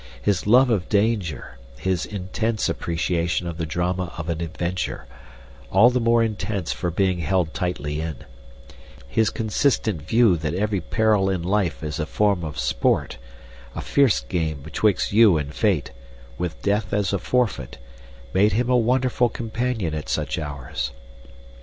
His love of danger, his intense appreciation of the drama of an adventure all the more intense for being held tightly in his consistent view that every peril in life is a form of sport, a fierce game betwixt you and Fate, with Death as a forfeit, made him a wonderful companion at such hours.